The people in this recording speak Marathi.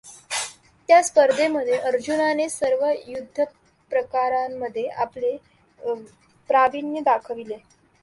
त्या स्पर्धेमध्ये अर्जुनाने सर्व युद्धप्रकारांमध्ये आपले प्रावीण्य दाखविले.